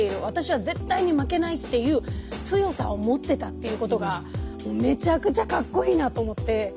私は絶対に負けないっていう強さを持ってたっていうことがめちゃくちゃかっこいいなと思って。